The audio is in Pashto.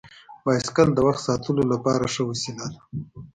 بایسکل د وخت ساتلو لپاره ښه وسیله ده.